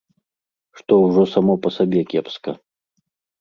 Што ўжо само па сабе кепска.